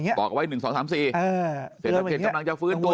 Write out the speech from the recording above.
เศรษฐกิจกำลังจะฟื้นตัว